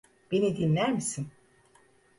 Beni dinler misin?